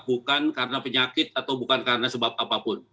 bukan karena penyakit atau bukan karena sebab apapun